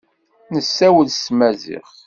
Nessawel s tmaziɣt.